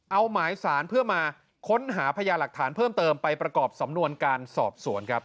เอาหมายสารเพื่อมาค้นหาพญาหลักฐานเพิ่มเติมไปประกอบสำนวนการสอบสวนครับ